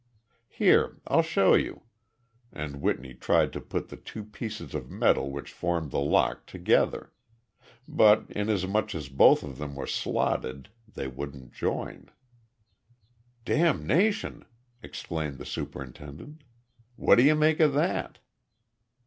"Here I'll show you," and Whitney tried to put the two pieces of metal which formed the lock together. But, inasmuch as both of them were slotted, they wouldn't join. "Damnation!" exclaimed the superintendent. "What do you make of that?"